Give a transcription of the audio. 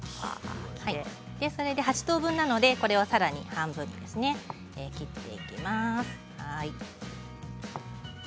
８等分なので、これをさらに半分に切っていきます。